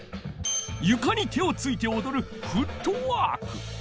ゆかに手をついておどる「フットワーク」。